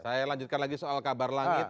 saya lanjutkan lagi soal kabar langit